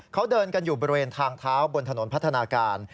เขาเดินกันอยู่บริเวณทางเท้าบนถนนพัฒนาการ